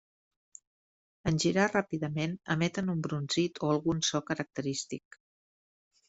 En girar ràpidament emeten un brunzit o algun so característic.